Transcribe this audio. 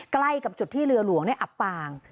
ไกลกับจุดที่เรือลวงนี่อับปาง